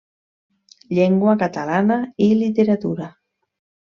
Llengua catalana i literatura.